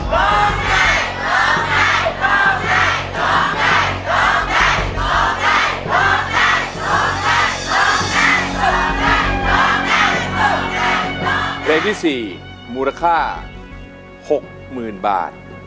เพลงที่๔มูลค่า๖๐๐๐๐บาท